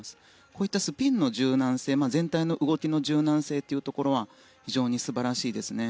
こういったスピンの全体の動きの柔軟性というところは非常に素晴らしいですね。